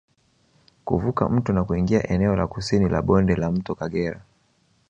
Kuvuka mto na kuingia eneo la kusini la bonde la mto Kagera